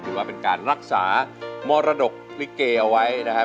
ถือว่าเป็นการรักษามรดกลิเกเอาไว้นะครับ